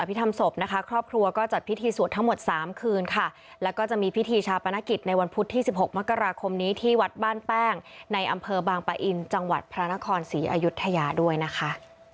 ทำศพนะคะครอบครัวก็จัดพิธีสวดทั้งหมดสามคืนค่ะแล้วก็จะมีพิธีชาปนกิจในวันพุธที่สิบหกมกราคมนี้ที่วัดบ้านแป้งในอำเภอบางปะอินจังหวัดพระนครศรีอายุทยาด้วยนะคะ